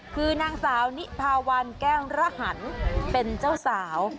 คือนางสาวนิพาวันแก้วระหันเป็นเจ้าสาว